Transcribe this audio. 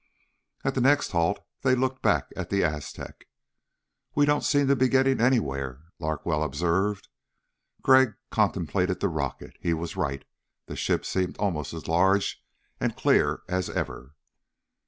At the next halt they looked back at the Aztec. "We don't seem to be getting anywhere," Larkwell observed. Crag contemplated the rocket. He was right. The ship seemed almost as large and clear as ever.